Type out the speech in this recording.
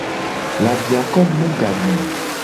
Labiako bu ga nye.